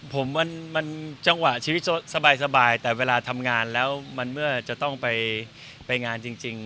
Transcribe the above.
ผมมันจังหวะชีวิตสบายแต่เวลาทำงานแล้วมันเมื่อจะต้องไปงานจริง